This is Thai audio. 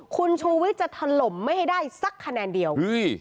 คุณชูวิชจะทะลมไม่ได้สักคะแนนเดียว